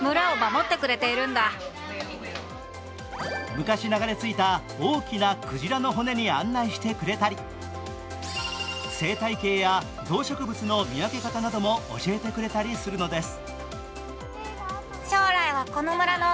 昔、流れ着いた大きなクジラの骨に案内してくれたり生態系や動植物の見分け方なども教えてくれたりするのです。